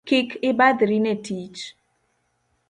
Kik ibadhri ne tich